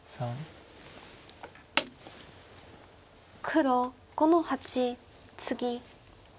黒５の八ツギ。